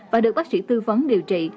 và được bác sĩ tư vấn điều trị